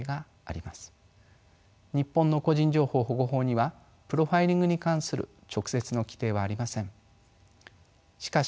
日本の個人情報保護法にはプロファイリングに関する直接の規定はありません。